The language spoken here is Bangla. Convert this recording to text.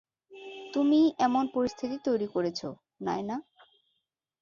তুমিই এমন পরিস্থিতি তৈরি করেছো, নায়না।